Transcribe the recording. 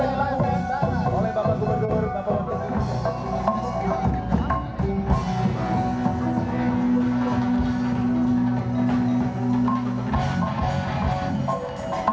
ya makasih mak